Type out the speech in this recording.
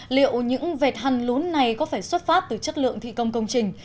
liệu những vệt hăn lún này có phải xuất phát từ chất lượng thị công công trình